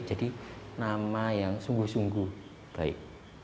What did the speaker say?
jadi nama yang sungguh sungguh baik